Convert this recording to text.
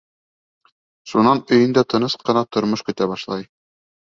Шунан өйөндә тыныс ҡына тормош көтә башлай.